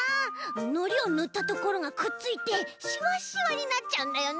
のりをぬったところがくっついてしわしわになっちゃうんだよね。